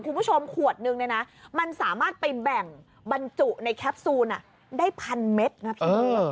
คุณผู้ชมขวดนึงเนี่ยนะมันสามารถไปแบ่งบรรจุในแคปซูลได้พันเม็ดนะพี่